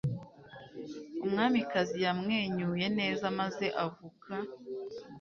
Umwamikazi yamwenyuye neza maze avuga